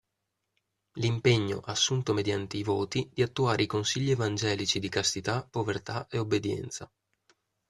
L'impegno, assunto mediante i voti, di attuare i consigli evangelici di castità, povertà e obbedienza.